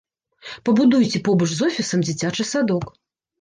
Пабудуйце побач з офісам дзіцячы садок.